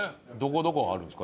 どこにあるんですか？